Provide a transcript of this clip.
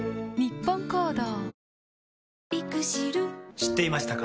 知っていましたか？